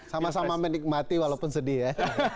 sama sama menikmati walaupun sedih ya